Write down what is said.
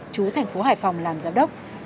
chú tp hải phòng làm giáo đốc